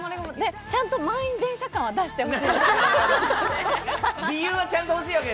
ちゃんと満員電車感は出してほしいな。